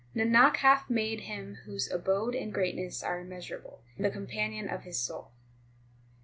Nanak hath made Him whose abode and greatness are immeasurable, the companion of his soul.